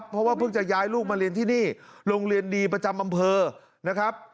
เพราะว่าเพิ่งจะย้ายลูกมาเรียนที่นี่โรงเรียนดีประจำอำเภอนะครับ